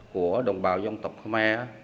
của đồng bào dân tộc khơ me